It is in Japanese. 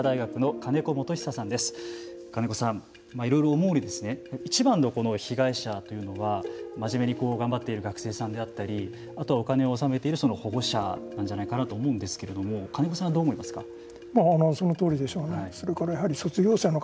金子さん、いろいろ思うにいちばんの被害者というのは真面目に頑張っている学生さんであったりあとはお金を納めている保護者なんじゃないかと思うんですけれども金子さんはどう思いますか。